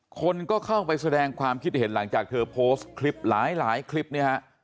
คนก็เข้าไปแสดงความคิดเห็นหลังจากเธอโพสต์คลิปหลายคลิปเนี่ยฮะ